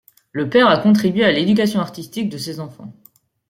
Le père a contribué à l'éducation artistique de ses enfants.